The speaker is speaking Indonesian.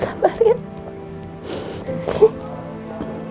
sabar ya sayang sabar ya